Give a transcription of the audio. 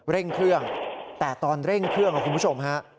เร่งเครื่องแต่ตอนเร่งเครื่องครับคุณผู้ชมฮะ